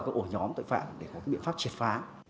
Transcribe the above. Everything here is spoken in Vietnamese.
các ổ nhóm tội phạm để có biện pháp triệt phá